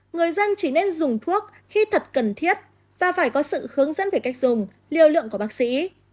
người dân chỉ nên dùng thuốc khi thật cần thiết và phải có sự hướng dẫn về cách dùng liều lượng của bác sĩ